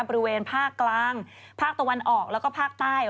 บริเวณภาคกลางภาคตะวันออกแล้วก็ภาคใต้